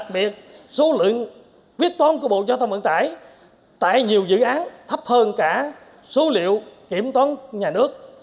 việc số lượng quyết toán của bộ giao thông vận tải tại nhiều dự án thấp hơn cả số liệu kiểm toán nhà nước